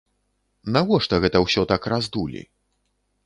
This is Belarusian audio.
Навошта гэта ўсё так раздулі?